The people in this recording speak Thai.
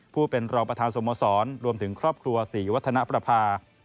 เป็นรองประธานสโมสรรวมถึงครอบครัวศรีวัฒนประภา